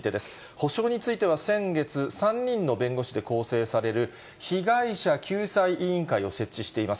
補償については、先月、３人の弁護士で構成される、被害者救済委員会を設置しています。